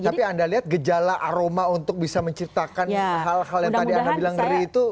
tapi anda lihat gejala aroma untuk bisa menciptakan hal hal yang tadi anda bilang ngeri itu